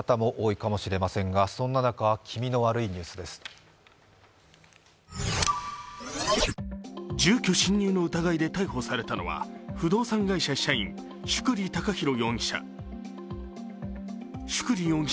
か住居侵入の疑いで逮捕されたのは不動産会社社員宿利貴宏容疑者。